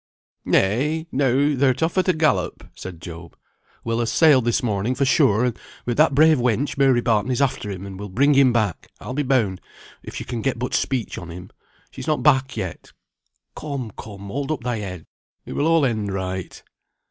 "Nay, now thou'rt off at a gallop," said Job. "Will has sailed this morning for sure, but that brave wench, Mary Barton, is after him, and will bring him back, I'll be bound, if she can but get speech on him. She's not back yet. Come, come, hold up thy head. It will all end right."